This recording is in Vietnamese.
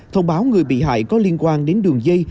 thông báo người bị hại có liên quan đến đường dây